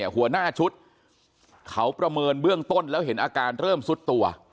หัวหน้าชุดเขาประเมินเบื้องต้นแล้วเห็นอาการเริ่มสุดตัว